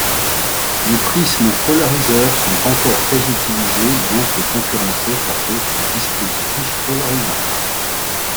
Les prismes polariseurs sont encore très utilisés bien que concurrencés par d'autre dispositifs polarisants.